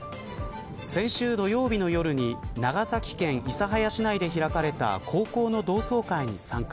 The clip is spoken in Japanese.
先週土曜日の夜に長崎県諫早市内で開かれた高校の同窓会に参加。